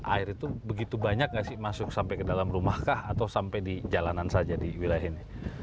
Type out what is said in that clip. air itu begitu banyak gak sih masuk sampai ke dalam rumah kah atau sampai di jalanan saja di wilayah ini